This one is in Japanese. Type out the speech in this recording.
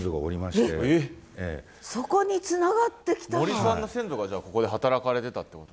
森さんの先祖がここで働かれてたってこと。